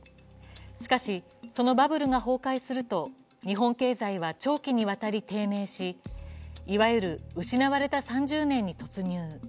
しかし、そのバブルが崩壊すると日本経済は長期にわたり低迷しいわゆる失われた３０年に突入。